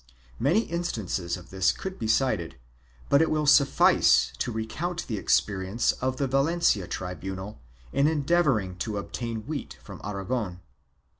Many instances of this could be cited, but it will suffice to recount the experience of the Valencia tribunal in endeavoring to obtain wheat from Aragon.